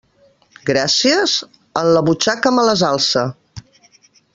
Gràcies?, en la butxaca me les alce.